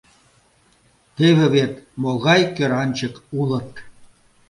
Теве вет могай кӧранчык улыт.